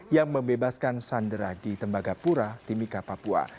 yang membebaskan sandera di tembagapura timika papua